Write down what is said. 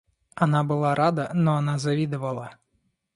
Она была рада, но она завидовала.